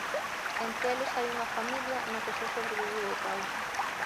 Entre eles hai unha familia, na que só sobreviviu o pai.